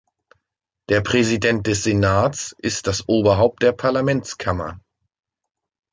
Der Präsident des Senats ist das Oberhaupt der Parlamentskammer.